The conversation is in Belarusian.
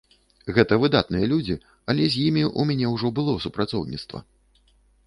Гэта выдатныя людзі, але з імі ў мяне ўжо было супрацоўніцтва.